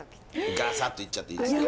ガサッといっちゃっていいですか？